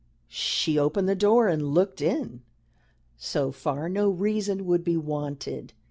She opened the door and looked in. So far, no reason would be wanted.